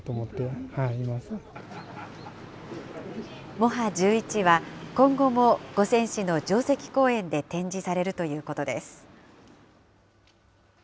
モハ１１は、今後も五泉市の城跡公園で展示されるということです。